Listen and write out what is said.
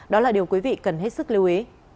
đó là điều quý vị cần hết sức lưu ý